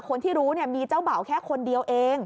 คนที่รู้มีเจ้าบ่าวแค่คนเดียวเอง